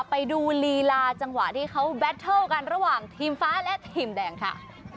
ไปดูลีลาจังหวะที่เขาแบตเทิลกันระหว่างทีมฟ้าและทีมแดงค่ะ